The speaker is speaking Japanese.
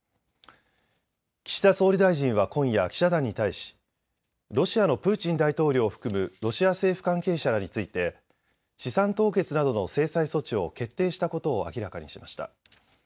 岸田総理大臣は今夜、記者団に対しロシアのプーチン大統領を含むロシア政府関係者らについて資産凍結などの制裁措置を決定したことを明らかにしました。